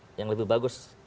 yang siap yang lebih bagus